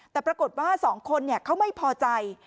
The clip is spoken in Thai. แต่ปรากฏว่าสองคนเขาไม่พอใจ